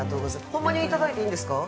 ほんまにいただいていいんですか？